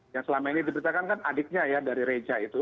yang selama ini diberitakan kan adiknya ya dari reja itu